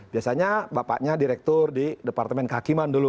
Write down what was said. biasanya bapaknya direktur di departemen kehakiman dulu